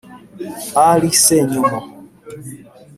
Ali Ssenyomo